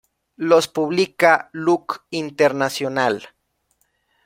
Los publica Luk Internacional.